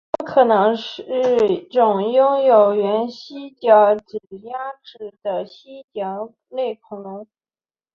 它们可能是种拥有原蜥脚类牙齿的蜥脚类恐龙。